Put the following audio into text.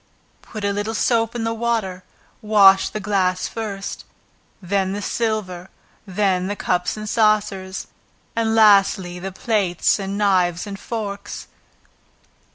Put a little soap in the water, wash the glass first, then the silver, then the cups and saucers, and lastly, the plates and knives and forks.